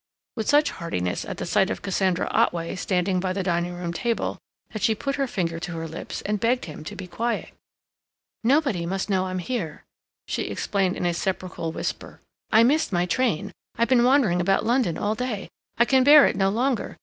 with such heartiness at the sight of Cassandra Otway standing by the dining room table that she put her finger to her lips and begged him to be quiet. "Nobody must know I'm here," she explained in a sepulchral whisper. "I missed my train. I have been wandering about London all day. I can bear it no longer.